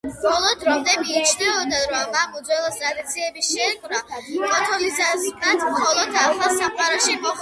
ბოლო დრომდე მიიჩნეოდა რომ ამ უძველესი ტრადიციების შერევა კათოლიციზმთან მხოლოდ ახალ სამყაროში მოხდა.